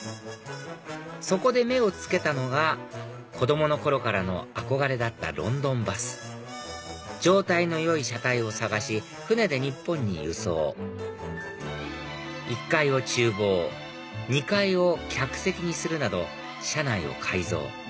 そこで目を付けたのが子供の頃からの憧れだったロンドンバス状態の良い車体を探し船で日本に輸送１階を厨房２階を客席にするなど車内を改造